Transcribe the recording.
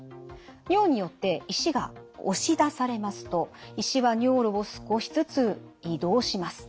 尿によって石が押し出されますと石は尿路を少しずつ移動します。